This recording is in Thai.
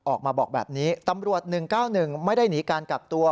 ออกมาบอกแบบนี้ตำรวจ๑๙๑ไม่ได้หนีการกักตัว